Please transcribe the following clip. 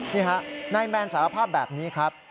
นี่ฮะนายแมนสารภาพแบบนี้ครับ